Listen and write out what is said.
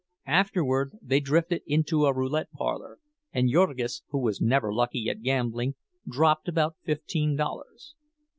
Afterward they drifted into a roulette parlor, and Jurgis, who was never lucky at gambling, dropped about fifteen dollars.